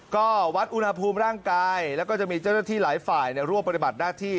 ก็วัดอุณหภูมิร่างกายแล้วก็จะมีเจ้าหน้าที่หลายฝ่ายร่วมปฏิบัติหน้าที่